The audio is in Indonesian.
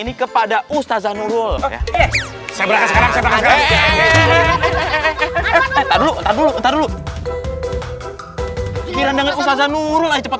ini kepada ustazah nurul ya saya sekarang sekarang dulu dulu dulu kirim dengan ustazah nurul cepet